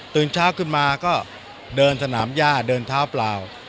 เช้าขึ้นมาก็เดินสนามย่าเดินเท้าเปล่า